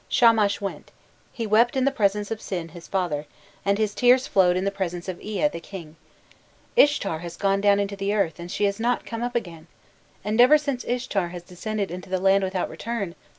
Shamash went he wept in the presence of Sin, his father, and his tears flowed in the presence of Ea, the king: 'Ishtar has gone down into the earth, and she has not come up again! And ever since Ishtar has descended into the land without return...